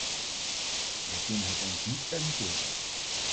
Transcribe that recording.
Wij kunnen het ons niet permitteren.